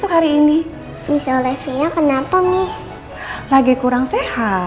iya hari ini cuma miss erina aja yang mengajar